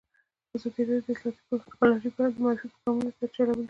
ازادي راډیو د اطلاعاتی تکنالوژي په اړه د معارفې پروګرامونه چلولي.